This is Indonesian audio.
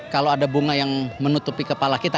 kalau ada bunga yang menutupi kepala kita